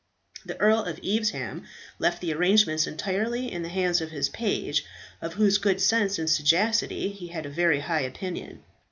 The Earl of Evesham left the arrangements entirely in the hands of his page, of whose good sense and sagacity he had a very high opinion.